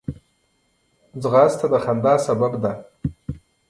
ځغاسته د خندا سبب ده